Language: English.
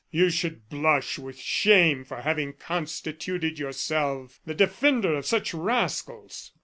You should blush with shame for having constituted yourself the defender of such rascals!"